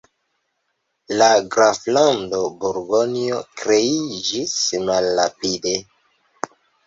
La graflando Burgonjo kreiĝis malrapide.